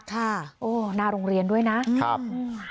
ค่ะโอ้หน้าโรงเรียนด้วยนะครับอืม